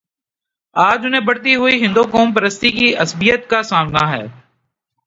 آج انہیں بڑھتی ہوئی ہندوقوم پرستی کی عصبیت کا سامنا ہے۔